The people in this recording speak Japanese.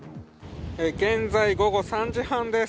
現在、午後３時半です。